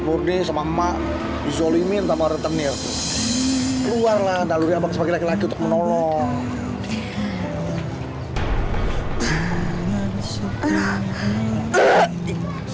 bodi sama emak dizolimin sama retenir luar lah dari abang sebagai laki laki untuk menolong